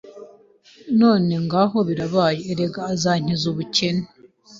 none ngaho birabaye, erega azankiza ubukene